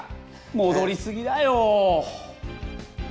もどりすぎだよ。